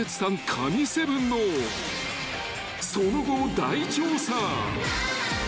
神７のその後を大調査］